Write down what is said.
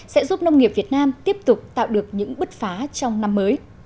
sẽ giúp nông nghiệp việt nam tiếp tục tạo được những bứt phá trong năm mới